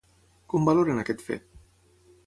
Com valoren aquest fet?